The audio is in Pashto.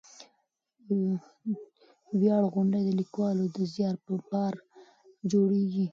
ویاړ غونډې د لیکوالو د زیار په پار جوړېږي.